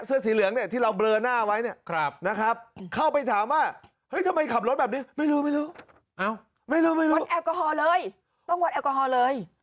เสื้อสีเหลืองเนี่ยที่เราเบลอหน้าไว้เนี่ยนะครับเข้าไปถามว่าเฮ้ยทำไมขับรถแบบนี้ไม่รู้ไม่รู้วัดแอลกอฮอล์เลยต้องวัดแอลกอฮอล์เลย